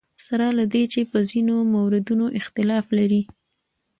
سره له دې چې په ځینو موردونو اختلاف لري.